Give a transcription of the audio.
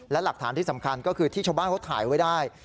และหลักฐานที่สำคัญก็คือที่ชาวบ้านเขาถ่ายไว้ได้